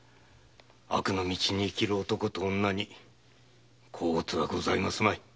悪の道に生きる男と女に甲乙はございますまい。